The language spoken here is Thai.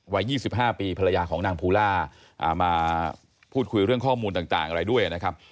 วัย๒๕ปีภรรยาของนางภูล่ามาพูดคุยเรื่องข้อมูลต่างอะไรด้วยนะครับ